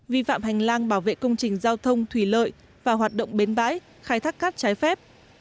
vi phạm hành lang bảo vệ công trình giao thông thủy lợi và hoạt động bến bãi khai thác cát trái phép